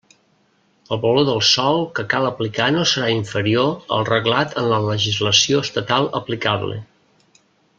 El valor del sòl que cal aplicar no serà inferior al reglat en la legislació estatal aplicable.